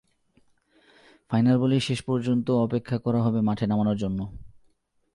Final বলেই শেষ মুহূর্ত পর্যন্ত অপেক্ষা করা হবে মাঠে নামানোর জন্য।